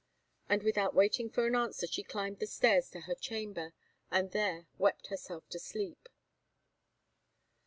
And without waiting for an answer she climbed the stairs to her chamber, and there wept herself to sleep.